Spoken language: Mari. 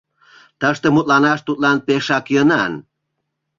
Тыште мутланаш тудлан пешак йӧнан.